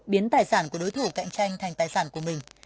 biến tài sản của đối thủ cạnh tranh thành tài sản của mình